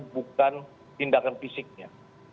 bukan tindakan fisiknya